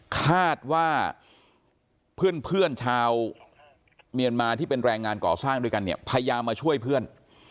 คาดว่าเพื่อนชาวเมียนมาที่เป็นแรงงานก่อสร้างด้วยกันเนี่ยพยายามมาช่วยเพื่อน